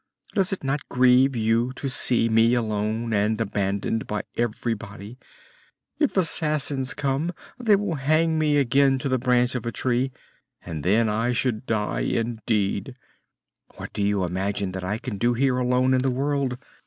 Does it not grieve you to see me alone and abandoned by everybody? If assassins come they will hang me again to the branch of a tree, and then I should die indeed. What do you imagine that I can do here alone in the world?